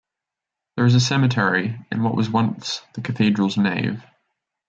There is a cemetery in what was once the cathedral's nave.